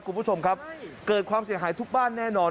คุณผู้ชมครับเกิดความเสียหายทุกบ้านแน่นอน